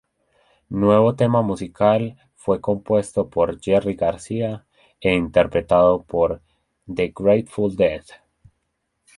Nuevo tema musical fue compuesta por Jerry Garcia e interpretada por The Grateful Dead.